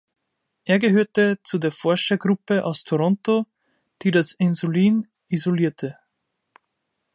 Er gehörte zu der Forschergruppe aus Toronto, die das Insulin isolierte.